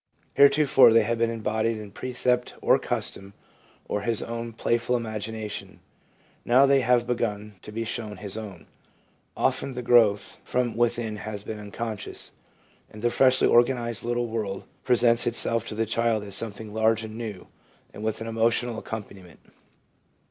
Heretofore they have been embodied in precept or custom or his own playful imagination. Now they have begun to be his own. Often the growth from within has been unconscious, and the freshly organised little world presents itself to the child as something large and new, and with an emotional accompaniment.